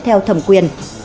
theo thẩm quyền